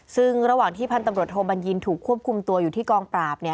ซึ่งระหว่างที่พันธุ์ตำรวจโทบัญญินถูกควบคุมตัวอยู่ที่กองปราบ